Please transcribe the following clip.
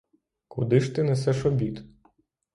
Куди ж ти несеш обід?